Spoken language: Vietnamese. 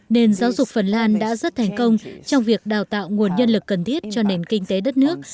nền giáo dục phần lan đã rất thành công trong việc đào tạo nguồn nhân lực cần thiết cho nền kinh tế đất nước